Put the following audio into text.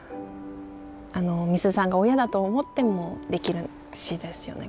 あのみすゞさんが親だと思ってもできる詩ですよね